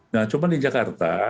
nah cuman di jakarta